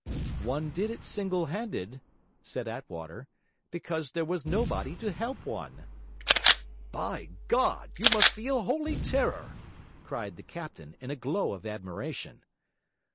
'One did it single handed,' said Attwater, 'because there was nobody to help one.' 'By God, but you must be a holy terror!' cried the captain, in a glow of admiration.